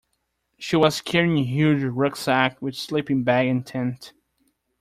She was carrying a huge rucksack, with sleeping bag and tent